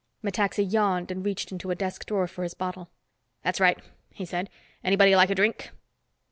Metaxa yawned and reached into a desk drawer for his bottle. "That's right," he said. "Anybody like a drink?"